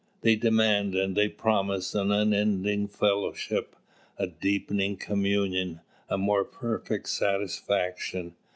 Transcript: They demand and they promise an unending fellowship, a deepening communion, a more perfect satisfaction.